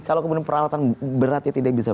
kalau kemudian peralatan beratnya tidak bisa